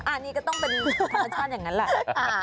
อันนี้ก็ต้องเป็นความประชาญอย่างนั้นแหละ